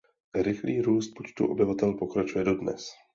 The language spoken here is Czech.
Rychlý růst počtu obyvatel pokračuje dodnes.